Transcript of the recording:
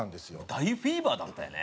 大フィーバーだったよね。